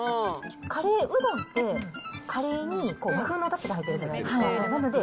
カレーうどんって、カレーに和風のだしが入ってるじゃないで